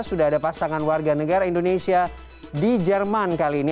sudah ada pasangan warga negara indonesia di jerman kali ini